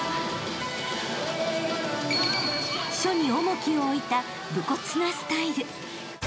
［書に重きを置いた武骨なスタイル］